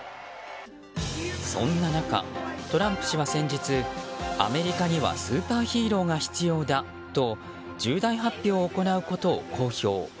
そんな中、トランプ氏は先日アメリカにはスーパーヒーローが必要だと重大発表を行うことを公表。